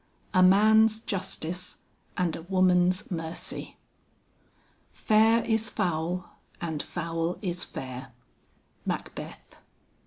A MAN'S JUSTICE AND A WOMAN'S MERCY. "Fair is foul and foul is fair." MACBETH.